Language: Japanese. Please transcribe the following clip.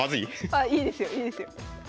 あいいですよいいですよ。